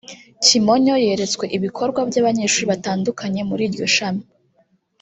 Kimonyo yeretswe ibikorwa by’abanyeshuri batandukanye muri iryo shami